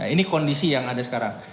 ini kondisi yang ada sekarang